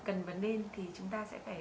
cần và nên thì chúng ta sẽ phải